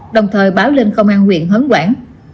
đồng thời báo lên công an huyện hấn quảng